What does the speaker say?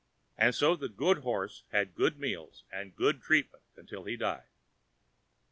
And so the good horse had good meals and good treatment till he died.